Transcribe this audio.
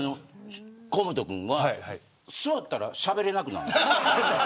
河本君は座ったらしゃべれなくなるの。